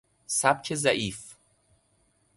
سبک ضعیف